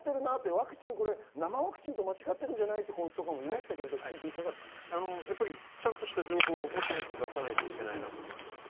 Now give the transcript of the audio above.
ワクチン、生ワクチンと間違っているんじゃない？という子もちゃんとした情報をもっと出さないといけないと思っています。